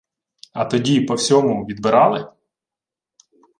— А тоді, по всьому, відбирали?